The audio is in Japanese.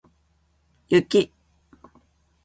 雪